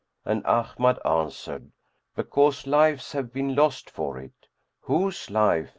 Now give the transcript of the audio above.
and Ahmad answered, "Because lives have been lost for it." "Whose life?"